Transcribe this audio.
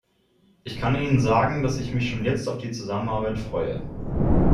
Ich kann Ihnen sagen, dass ich mich schon jetzt auf die Zusammenarbeit freue.